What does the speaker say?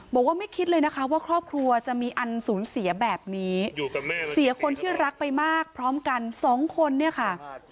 บอกว่าไม่คิดเลยนะคะว่าครอบครัวจะมีอันสูญเสียแบบนี้อยู่กับแม่เสียคนที่รักไปมากพร้อมกันสองคนเนี่ยค่ะ